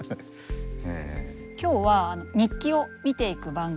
今日は日記を見ていく番組なんですね。